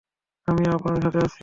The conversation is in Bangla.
আমিও আপনাদের সাথে আসছি!